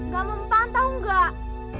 kamu pantau gak